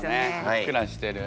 ふっくらしてる。